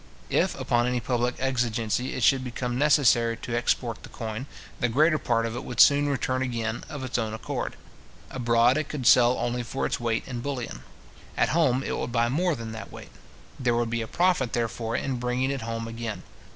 If, upon any public exigency, it should become necessary to export the coin, the greater part of it would soon return again, of its own accord. Abroad, it could sell only for its weight in bullion. At home, it would buy more than that weight. There would be a profit, therefore, in bringing it home again.